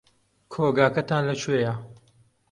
کۆگاکەتان لەکوێیە؟